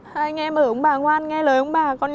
hai anh em ở với ông bà ngoan nghe lời ông bà con nhé